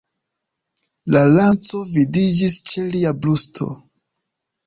La lanco vidiĝis ĉe lia brusto.